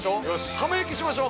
◆浜焼きしましょう。